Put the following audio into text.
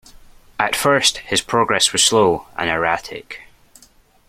At first his progress was slow and erratic.